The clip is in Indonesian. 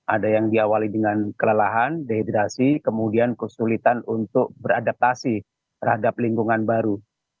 ada yang diawali dengan kelelahan dehidrasi kemudian kesulitan untuk beradaptasi terhadap lingkungan baru